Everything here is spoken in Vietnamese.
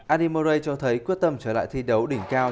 andy murray cho thấy quyết tâm trở lại thi đấu đỉnh cao